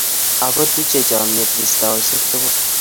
Ago tuchei chamyet pistaosyek tugul